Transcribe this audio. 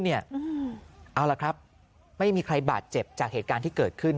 เอาล่ะครับไม่มีใครบาดเจ็บจากเหตุการณ์ที่เกิดขึ้น